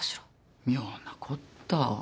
妙なこった。